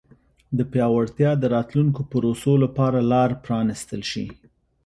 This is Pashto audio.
د پیاوړتیا د راتلونکو پروسو لپاره لار پرانیستل شي.